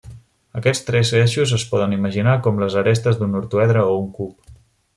Aquests tres eixos es poden imaginar com les arestes d'un ortoedre o un cub.